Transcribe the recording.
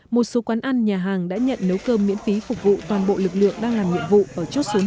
một số quán ăn nhà hàng đã nhận nấu cơm miễn phí phục vụ toàn bộ lực lượng đang làm nhiệm vụ ở chốt số năm